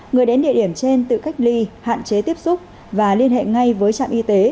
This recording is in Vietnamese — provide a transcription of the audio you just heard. người đến địa điểm trên tự cách ly hạn chế tiếp xúc và liên hệ ngay với trạm y tế